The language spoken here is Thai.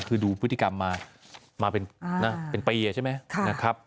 คือดูพฤติกรรมมาเป็นปีใช่ไหมนะครับ